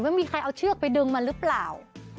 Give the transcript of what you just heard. ไม่มีใครเอาเชือกไปดึงมันหรือเปล่า